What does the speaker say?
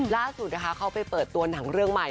ล่าสุดนะคะเขาไปเปิดตัวหนังเรื่องใหม่